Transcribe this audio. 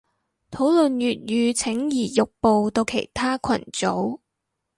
討論粵語請移玉步到其他群組